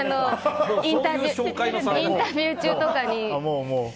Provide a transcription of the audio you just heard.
インタビュー中とかに。